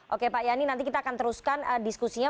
oke pak yani nanti kita akan teruskan diskusinya